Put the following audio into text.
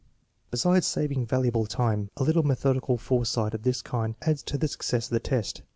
Besides saving valuable time, a little methodical fore sight of this kind adds to the success of the test.